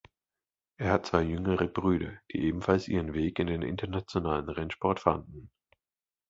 Er hat zwei jüngere Brüder, die ebenfalls ihren Weg in den internationalen Rennsport fanden.